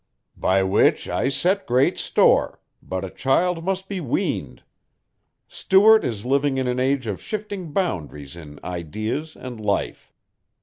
"By which I set great store, but a child must be weaned. Stuart is living in an age of shifting boundaries in ideas and life.